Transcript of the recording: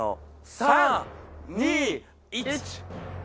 ３・２・１。